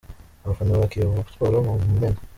Abafana ba Kiyovu Sport ku Mumena .